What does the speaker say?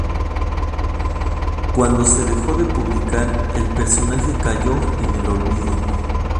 Cuando se dejó de publicar, el personaje cayó en el olvido.